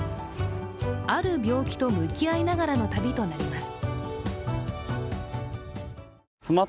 ある病気と向き合いながらの旅となります。